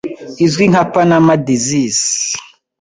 izwi nka Panama disease